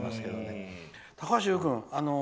高橋優君。